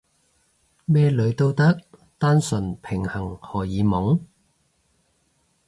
咩女都得？單純平衡荷爾蒙？